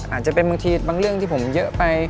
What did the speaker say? อาจจะเป็นบางทีบางเรื่องที่ผมเยอะไป